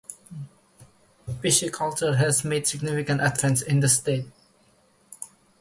Pisciculture has made significant advances in the state.